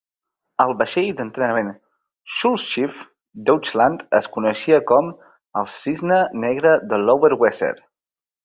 El vaixell d'entrenament Schulschiff Deutschland es coneixia com "el cigne blanc del Lower-Wesser".